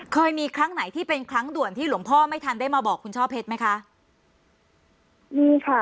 เคยมีครั้งไหนที่เป็นครั้งด่วนที่หลวงพ่อไม่ทันได้มาบอกคุณช่อเพชรไหมคะนี่ค่ะ